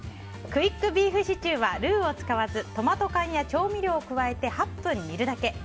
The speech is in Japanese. クイックビーフシチューはルーを使わずトマト缶や調味料を加えて８分煮るだけ。